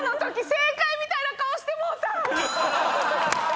正解みたいな顔してもうた！